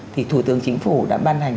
thì thủ tướng chính phủ đã ban hành